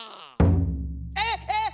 えっえっ。